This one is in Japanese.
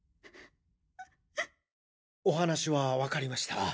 お話はわかりました。